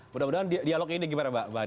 mudah mudahan dialog ini gimana mbak